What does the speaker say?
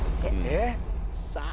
えっ。さあ。